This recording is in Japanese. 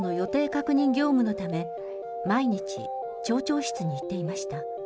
確認業務のため、毎日、町長室に行っていました。